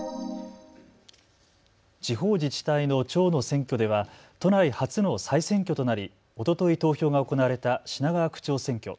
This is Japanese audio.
地方自治体の長の選挙では都内初の再選挙となりおととい投票が行われた品川区長選挙。